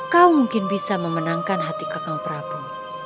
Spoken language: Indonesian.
kau mungkin bisa memenangkan hati kekau prabu